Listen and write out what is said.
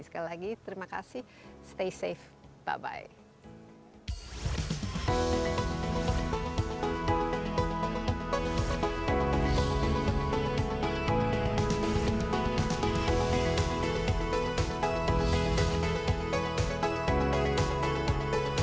sekali lagi terima kasih stay safe bye